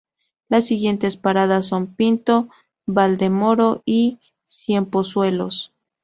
Las siguientes paradas son Pinto, Valdemoro y Ciempozuelos.